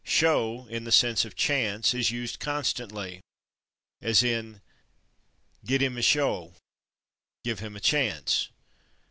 /Show/, in the sense of /chance/, is used constantly, as in "git ihm a /show/" (=give him a chance).